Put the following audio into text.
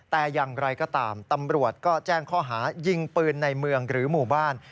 แต่อย่างไรก็ตามตำรวจก็แจ้งข้อหายิงปืนในเมืองหรือหมู่บ้าน